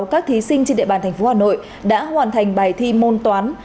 các thí sinh trên địa bàn thành phố hà nội đã hoàn thành bài thi môn toán